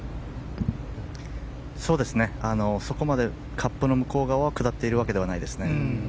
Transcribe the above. カップの向こう側は下っているわけではないですね。